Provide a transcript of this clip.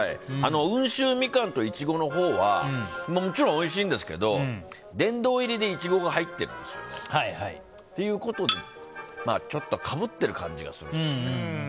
温州みかんと苺のほうはもちろん、おいしいんですけど殿堂入りでイチゴが入ってるんですよね。ということで、ちょっとかぶってる感じがするんですよね。